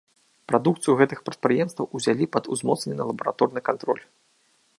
Прадукцыю гэтых прадпрыемстваў узялі пад узмоцнены лабараторны кантроль.